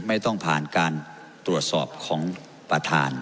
ไม่ต้องผ่านการตรวจสอบของประธาน